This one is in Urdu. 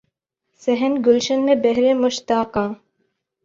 صحن گلشن میں بہر مشتاقاں